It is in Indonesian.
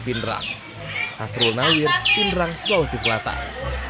pindrang hasrul nawir pindrang sulawesi selatan